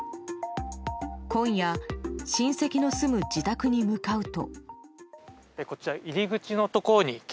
今夜親戚の住む自宅に向かうと。